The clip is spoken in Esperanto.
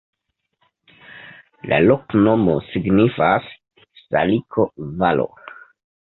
La loknomo signifas: saliko-valo.